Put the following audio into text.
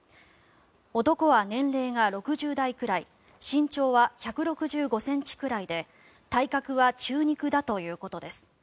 男は年齢が６０代くらい身長は１６５ｃｍくらいで体格は中肉だということです。